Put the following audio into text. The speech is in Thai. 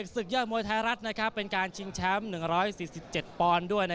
ศึกยอดมวยไทยรัฐเป็นการชิงแชมป์๑๔๗ปอนด์ด้วย